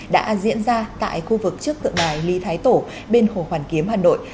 đã diễn ra tại khu vực trước tượng đài lý thái tổ bên hồ hoàn kiếm hà nội